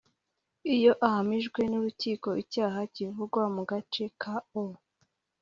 iyo ahamijwe n urukiko icyaha kivugwa mu gace ka o